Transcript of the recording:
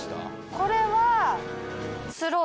これは。